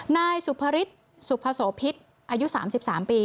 นายสุภฤษสุพโสพิษอายุ๓๓ปี